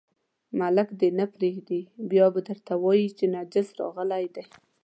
ملک دې نه پرېږدي، بیا به درته وایي چې نجس راغلی دی.